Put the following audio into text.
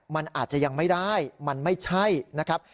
มันอาจจะยังไม่ได้มันไม่ใช่นะครับ